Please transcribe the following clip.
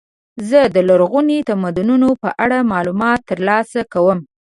زه د لرغونو تمدنونو په اړه معلومات ترلاسه کوم.